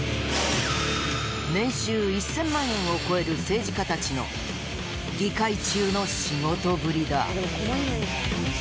年収１０００万円を超える政治家たちの議会中の仕事ぶりだ。